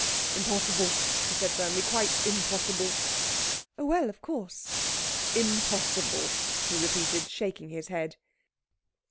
'Impossible,' he said firmly. 'Quite impossible.' 'Oh well, of course ' 'Impossible,' he repeated, shaking his head.